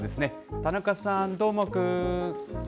田中さん、どーもくん。